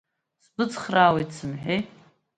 Сбыцхраауеит сымҳәеи!